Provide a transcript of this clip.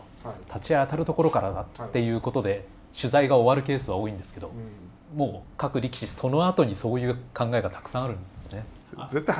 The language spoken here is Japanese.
立ち合い当たるところからだっていうことで取材が終わるケースは多いんですけどもう各力士そのあとにそういう考えがたくさんあるんですね。